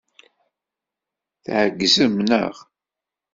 Tɛeẓgem neɣ?